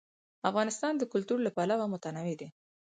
افغانستان د کلتور له پلوه متنوع دی.